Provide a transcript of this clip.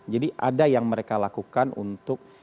ada yang mereka lakukan untuk